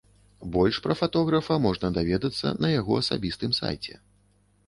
Больш пра фатографа можна даведацца на яго асабістым сайце.